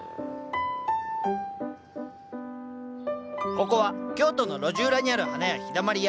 ここは京都の路地裏にある花屋「陽だまり屋」。